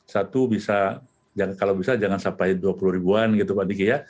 satu bisa kalau bisa jangan sampai dua puluh ribuan gitu pak diki ya